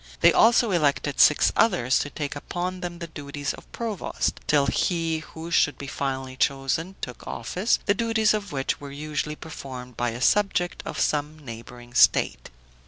They also elected six others to take upon them the duties of provost, till he who should be finally chosen took office, the duties of which were usually performed by a subject of some neighboring state.